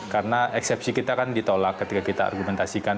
karena eksepsi kita kan ditolak ketika kita argumentasikan